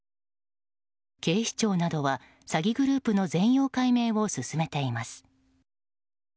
警視庁などは詐欺グループの全容解明を進めています。